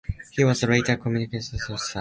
He was later Commissar of Shetland.